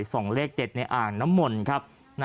แล้วก็มาดูกันของเลขเด็ดในอ่างน้ำมนครับ